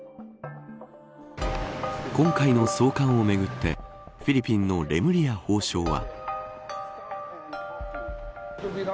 今回の送還をめぐってフィリピンのレムリヤ法相は。